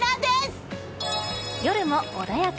夜も穏やか。